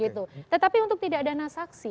tetapi untuk tidak dana saksi